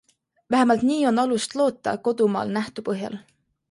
Vähemalt nii on alust loota kodumaal nähtu põhjal.